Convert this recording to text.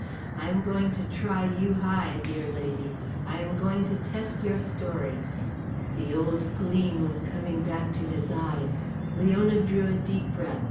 I am going to try you high, dear lady. I am going to test your story." The old gleam was coming back to his eyes. Leona drew a deep breath.